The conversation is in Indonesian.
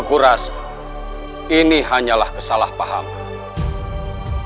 aku rasa ini hanyalah kesalahpahaman